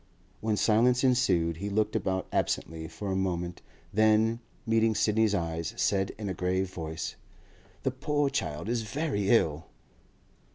When silence ensued, he looked about absently for a moment; then, meeting Sidney's eyes, said in a grave voice: 'That poor child is very ill.